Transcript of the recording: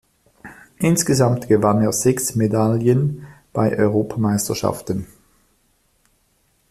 Insgesamt gewann er sechs Medaillen bei Europameisterschaften.